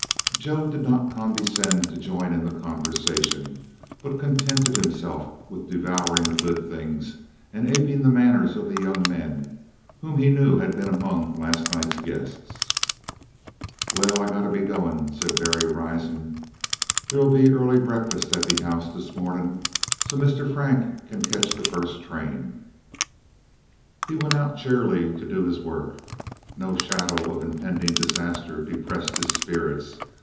Joe did not condescend to join in the conversation, but contented himself with devouring the good things and aping the manners of the young men whom he knew had been among last night's guests. "Well, I got to be goin'," said Berry, rising. "There 'll be early breakfas' at de 'house' dis mo'nin', so 's Mistah Frank kin ketch de fus' train." He went out cheerily to his work. No shadow of impending disaster depressed his spirits.